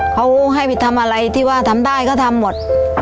เขาให้ไปทำอะไรที่ว่าทำได้ก็ทำหมด